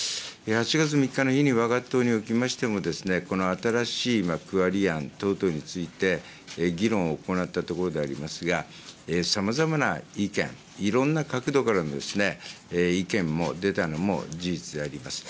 ８月３日の日に、わが党におきましても、この新しい区割り案等々について、議論を行ったところでありますが、さまざまな意見、いろんな角度からの意見も出たのも事実であります。